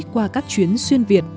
qua các chuyến xuyên việt